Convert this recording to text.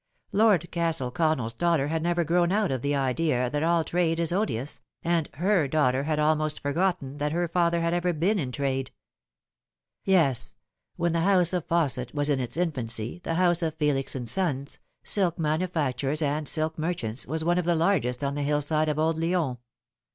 Lord Castle Con nell's daughter had never grown out of the idea that all trade is odious, and her daughter had almost forgotten that her father had ever been in trade. " Yes, when the house of Fausset was in its infancy the house of Felix & Sons, silk manufacturers and silk merchants, was one of the largest on the hillside of old Lyons.